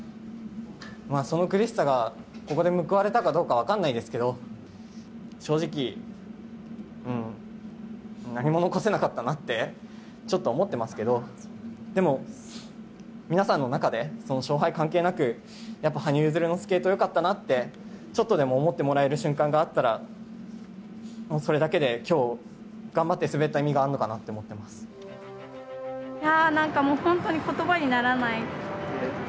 まあその苦しさがここで報われたかどうか分かんないですけど、正直、何も残せなかったなってちょっと思ってますけど、でも、皆さんの中で、その勝敗関係なく、やっぱ羽生結弦のスケートよかったなって、ちょっとでも思ってもらえる瞬間があったら、もうそれだけできょう頑張って滑った意味があんのかなって思ってなんかもう、本当にことばにならない。